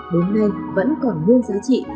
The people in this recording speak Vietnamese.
hôm nay vẫn còn nguyên giá trị